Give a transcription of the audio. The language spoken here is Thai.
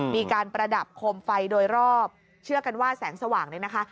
ประดับโคมไฟโดยรอบเชื่อกันว่าแสงสว่างเนี่ยนะคะ